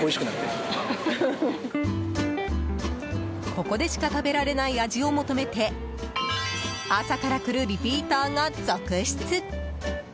ここでしか食べられない味を求めて朝から来るリピーターが続出。